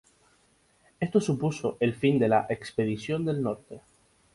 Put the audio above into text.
Esto supuso el fin de la Expedición del Norte.